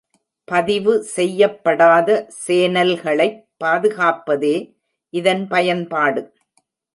பதிவு செய்யப்படாத சேனல்களைப் பாதுகாப்பதே இதன் பயன்பாடு.